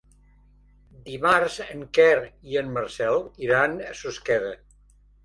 Dimarts en Quer i en Marcel iran a Susqueda.